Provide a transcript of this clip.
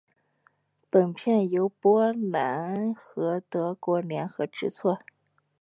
本片由波兰和德国联合制作。